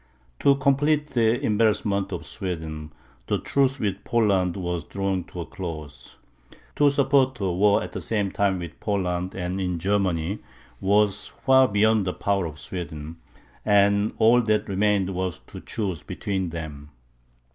To complete the embarrassments of Sweden, the truce with Poland was drawing to a close. To support a war at the same time with Poland and in Germany, was far beyond the power of Sweden; and all that remained was to choose between them.